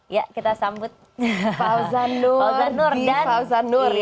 ya kita sambut fauzan nur di fauzan nur ya